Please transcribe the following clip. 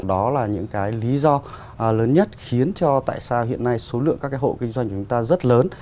đó là những cái lý do lớn nhất khiến cho tại sao hiện nay số lượng các cái hộ kinh doanh của chúng ta rất lớn